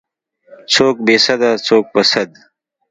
څوک بې سده څوک په سد.